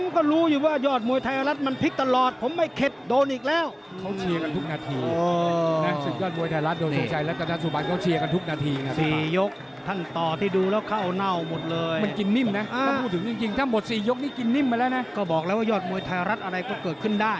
กรีมนิ่มนะถ้าหมด๔ยกมีกรีมมาแล้วนะ